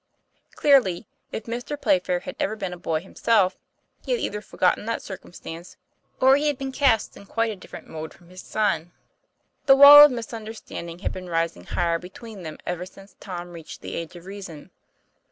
Clearly, if Mr. Playfair had ever been a boy himself, he had either forgotten that circum stance or he had been cast in quite a different mould from his son. The wall of misunderstanding had been rising higher between them ever since Tom reached the age of reason.